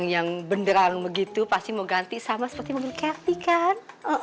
yang benderang gitu pasti mau ganti sama seperti mobil cathy kan